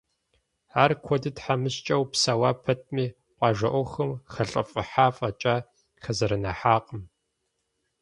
Ар куэду тхьэмыщкӏэу псэуа пэтми, къуажэ ӏуэхум хэлӏыфӏыхьа фӏэкӏа, хэзэрэныхьакъым.